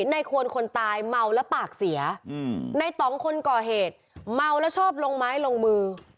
ในควรคนตายเมาแล้วปากเสียในต่องคนก่อเหตุเมาแล้วชอบลงไม้ลงมือ